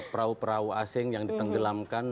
perahu perahu asing yang ditenggelamkan